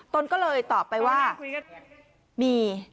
ตนก็เลยตอบไปว่ามี